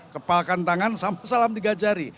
kepalkan tangan sampai salam tiga jari